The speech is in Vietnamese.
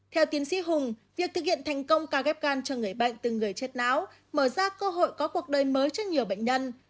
theo tiến sĩ hùng việc thực hiện thành công ca ghép gan cho người bệnh từ người chết não mở ra cơ hội có cuộc đời mới cho nhiều bệnh nhân